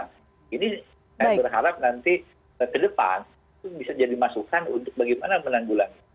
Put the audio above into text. ini saya berharap nanti ke depan bisa jadi masukan untuk bagaimana menanggulannya